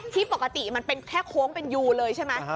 ที่ปกติมันเป็นแค่โค้งเป็นยูเลยใช่ไหม